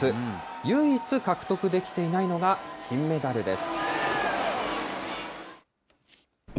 唯一獲得できていないのが金メダルです。